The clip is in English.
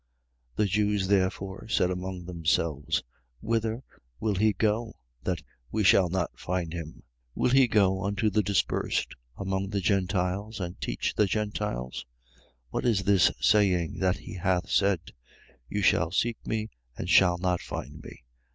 7:35. The Jews therefore said among themselves: Whither will he go, that we shall not find him? Will he go unto the dispersed among the Gentiles and teach the Gentiles? 7:36. What is this saying that he hath said: You shall seek me and shall not find me?